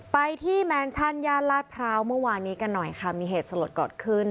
ไปที่แมนชั่นย่านลาดพร้าวเมื่อวานนี้กันหน่อยค่ะมีเหตุสลดเกิดขึ้น